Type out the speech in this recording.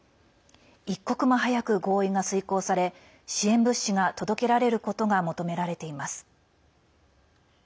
一刻も早く合意が遂行され支援物資が届けられることが求められています。